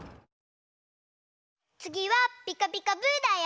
つぎは「ピカピカブ！」だよ。